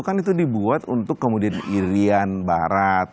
kan itu dibuat untuk kemudian irian barat